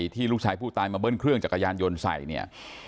ที่ลูกชายผู้ตายมาเบิ้ลเครื่องจักรยานยนต์ใส่เนี่ย